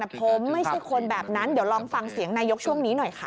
แต่ผมไม่ใช่คนแบบนั้นเดี๋ยวลองฟังเสียงนายกช่วงนี้หน่อยค่ะ